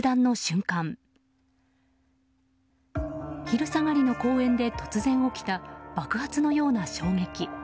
昼下がりの公園で突然、起きた爆発のような衝撃。